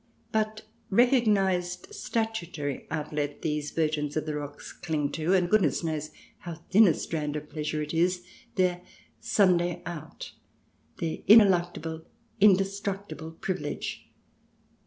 But one recognized statutory outlet these virgins of the rocks cling to, and goodness knows how thin a strand of pleasure it is — their " Sunday out," their ineluctable, indestructible privilege!